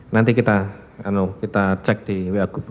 nanti kita cek di wa group